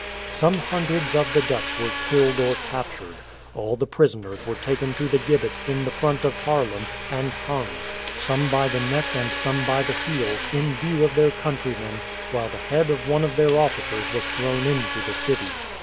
Some hundreds of the Dutch were killed or captured. All the prisoners were taken to the gibbets in the front of Haarlem, and hung, some by the neck and some by the heels, in view of their countrymen, while the head of one of their officers was thrown into the city.